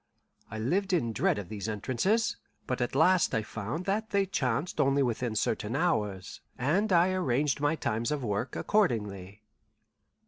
I lived in dread of these entrances, but at last I found that they chanced only within certain hours, and I arranged my times of work accordingly.